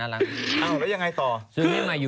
แล้วยังไงต่อ